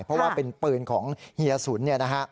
เพราะว่าเป็นปืนของเฮียสุน